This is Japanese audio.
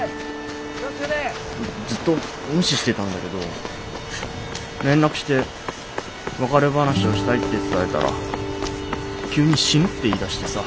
ずっと無視してたんだけど連絡して別れ話をしたいって伝えたら急に死ぬって言いだしてさ。